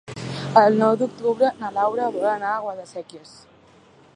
El nou d'octubre na Laura vol anar a Guadasséquies.